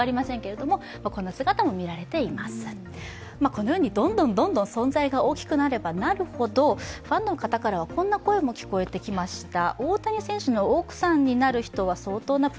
このようにどんどん存在が大きくなればなるほどファンの方からはこんな声も聞こえてきました。